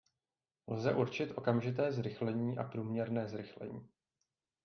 Lze určit okamžité zrychlení a průměrné zrychlení.